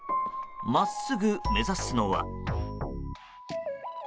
真っすぐ目指すのは。